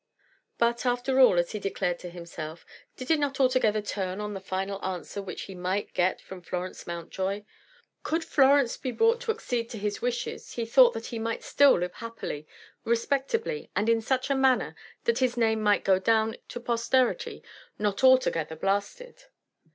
But, after all, as he declared to himself, did it not altogether turn on the final answer which he might get from Florence Mountjoy? Could Florence be brought to accede to his wishes, he thought that he might still live happily, respectably, and in such a manner that his name might go down to posterity not altogether blasted.